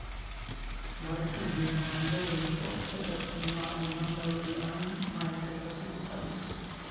La Repubblica mandò delle forze per fermare i Mandaloriani, ma il tentativo fallì.